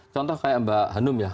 contoh kayak mbak hanum ya